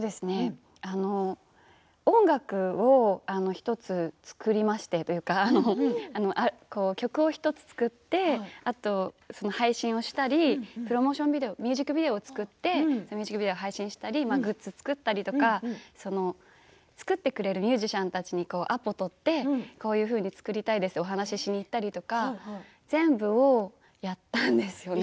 音楽を１つ作りましてというか曲を１つ作って配信したりプロモーションビデオミュージックビデオを作って配信したりグッズを作ったり作ってくれるミュージシャンたちにアポを取ってこういうふうに作りたいですとお話をしに行ったりとか全部をやったんですよね